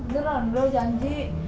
beneran beneran janji